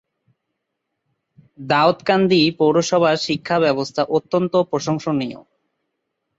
দাউদকান্দি পৌরসভার শিক্ষা ব্যবস্থা অত্যন্ত প্রশংসনীয়।